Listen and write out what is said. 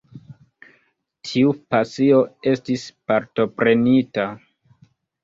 Tiu pasio estis partoprenita.